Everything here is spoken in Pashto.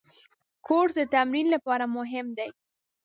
کورس د تمرین لپاره مهم دی.